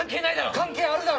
関係あるだろ。